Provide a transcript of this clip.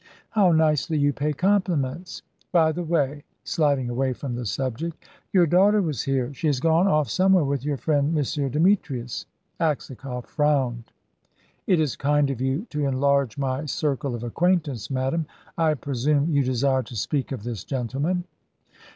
"How nicely you pay compliments! By the way," sliding away from the subject, "your daughter was here. She has gone off somewhere with your friend, M. Demetrius." Aksakoff frowned. "It is kind of you to enlarge my circle of acquaintance, madame. I presume you desire to speak of this gentleman?"